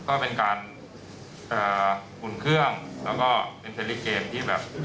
ก็เป็นการอุ่นเครื่องแล้วก็เป็นเซนลิกเกมที่แบบ